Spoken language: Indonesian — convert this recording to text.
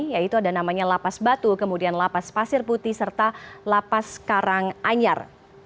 yaitu ada namanya lapas batu kemudian lapas pasir putih serta lapas karanganyar